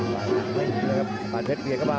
มาเพชนเครียดเข้ามา